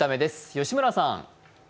吉村さん。